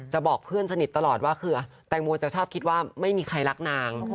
บอกเพื่อนสนิทตลอดว่าคือแตงโมจะชอบคิดว่าไม่มีใครรักนาง